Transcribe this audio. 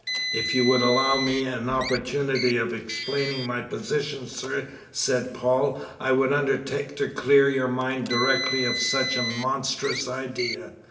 "If you would allow me an opportunity of explaining my position, sir," said Paul, "I would undertake to clear your mind directly of such a monstrous idea.